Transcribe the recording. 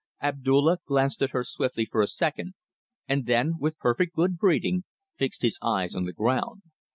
Abdulla glanced at her swiftly for a second, and then, with perfect good breeding, fixed his eyes on the ground.